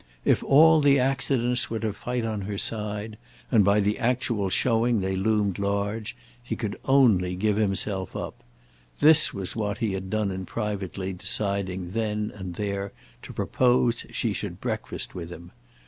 If all the accidents were to fight on her side—and by the actual showing they loomed large—he could only give himself up. This was what he had done in privately deciding then and there to propose she should breakfast with him.